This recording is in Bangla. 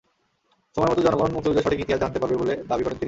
সময়মতো জনগণ মুক্তিযুদ্ধের সঠিক ইতিহাস জানতে পারবে বলে দাবি করেন তিনি।